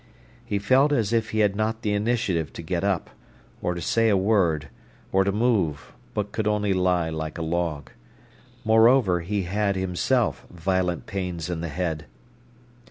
He felt as if he had not the initiative to get up, or to say a word, or to move, but could only lie like a log. Moreover, he had himself violent pains in the head.